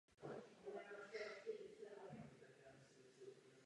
Konkrétní původ názvu není znám.